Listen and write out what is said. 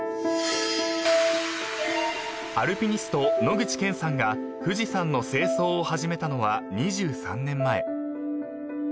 ［アルピニスト野口健さんが富士山の清掃を始めたのは２３年前］